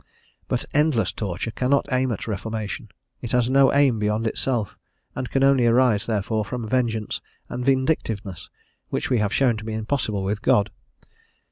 But endless torture cannot aim at reformation; it has no aim beyond itself, and can only arise, therefore, from vengeance and vindictiveness, which we have shown to be impossible with God.